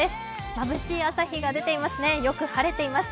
まぶしい朝日が見えていますねよく晴れています。